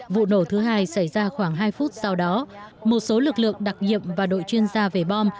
vụ nổ thứ hai xảy ra khoảng hai phút sau đó một số lực lượng đặc nhiệm và đội chuyên gia về bom